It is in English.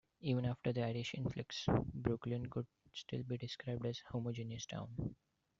Even after the Irish influx, Brookline could still be described as a homogeneous town.